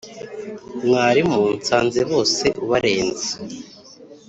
Mwarimu nsanze bose ubarenze!